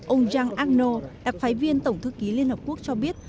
ông jean agno đặc phái viên tổng thư ký liên hợp quốc cho biết